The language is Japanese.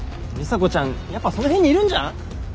里紗子ちゃんやっぱその辺にいるんじゃん？